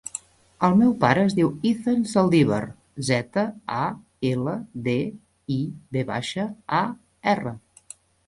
El meu pare es diu Ethan Zaldivar: zeta, a, ela, de, i, ve baixa, a, erra.